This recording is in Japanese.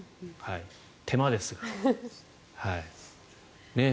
手間ですが。